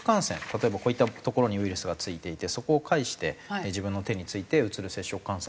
例えばこういった所にウイルスが付いていてそこを介して自分の手に付いてうつる接触感染。